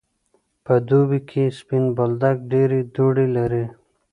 په دوبی کی سپین بولدک ډیری دوړی لری.